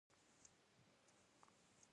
د فتر مسول په تصدیق پاڼه سترګې ولګیدې.